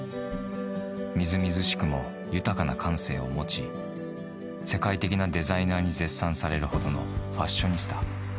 みずみずしくも豊かな感性を持ち、世界的なデザイナーに絶賛されるほどのファッショニスタ。